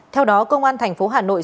theo đó công an thành phố hà nội